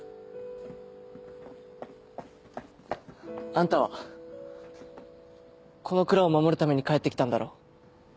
あんたはこの蔵を守るために帰って来たんだろ？